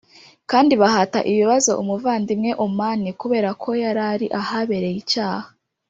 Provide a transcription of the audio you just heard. kandi bahata ibibazo umuvandimwe Oman kuberako yarari ahabereye icyaha